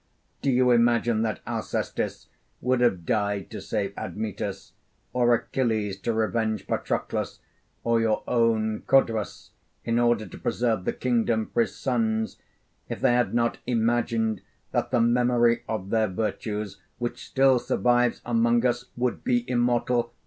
Do you imagine that Alcestis would have died to save Admetus, or Achilles to avenge Patroclus, or your own Codrus in order to preserve the kingdom for his sons, if they had not imagined that the memory of their virtues, which still survives among us, would be immortal?